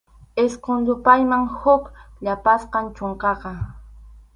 Isqun yupayman huk yapasqam chunkaqa.